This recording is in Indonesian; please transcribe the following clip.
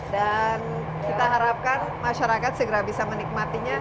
dan kita harapkan masyarakat segera bisa menikmatinya